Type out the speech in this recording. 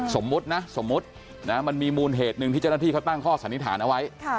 สมมุตินะสมมุติมันมีมูลเหตุหนึ่งที่เจ้าหน้าที่เขาตั้งข้อสันนิษฐานเอาไว้